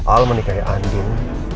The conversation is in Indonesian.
aldi menikahi andien